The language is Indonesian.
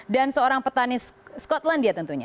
dan seorang petanis skotlandia tentunya